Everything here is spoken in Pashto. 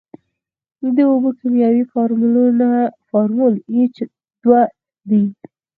د اوبو کیمیاوي فارمول ایچ دوه او دی.